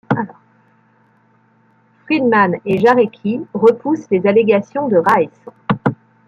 Friedman et Jarecki repoussent les allégations de Rice.